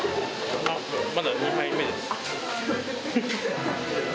まだ２杯目です。